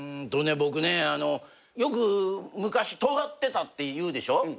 僕ねよく昔とがってたって言うでしょ。